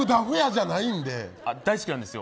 大好きなんですよ。